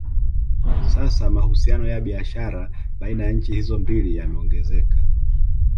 Sasa mahusiano ya biashara baina ya nchi hizo mbili yameongezeka